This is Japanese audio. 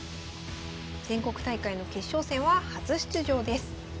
全国大会の決勝戦は初出場です。